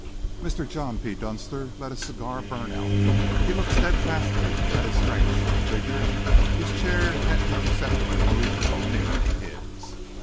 Mr. John P. Dunster let his cigar burn out. He looked steadfastly at this strange little figure whose chair had imperceptibly moved a little nearer to his.